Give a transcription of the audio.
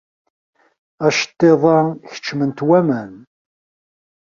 Aceṭṭiḍ-a keččmen-t waman.